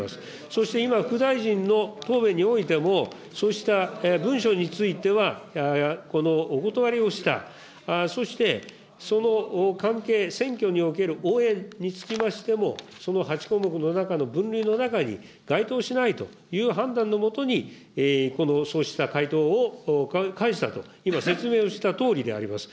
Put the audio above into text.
そして今、副大臣の答弁においても、そうした文書については、このお断りをした、そしてその関係、選挙における応援につきましても、その８項目の中の分類の中に、該当しないという判断のもとにそうした回答を返したと、今説明をしたとおりであります。